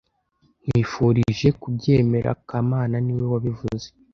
Nkwifurije kubyemera kamana niwe wabivuze